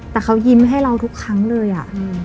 แต่เขายิ้มให้เราทุกครั้งเลยอ่ะ